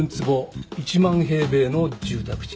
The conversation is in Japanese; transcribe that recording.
１万平米の住宅地だ。